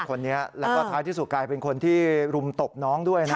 คนนี้แล้วก็ท้ายที่สุดกลายเป็นคนที่รุมตบน้องด้วยนะ